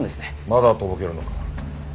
まだとぼけるのか？